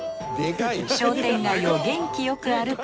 商店街を元気よく歩く